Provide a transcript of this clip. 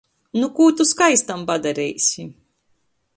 Nu kū tu skaistam padareisi.